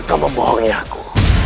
kau membohongi aku